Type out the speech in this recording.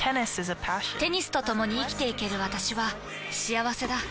テニスとともに生きていける私は幸せだ。